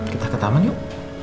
kita ke taman yuk